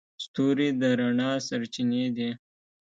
ستوري د رڼا سرچینې دي.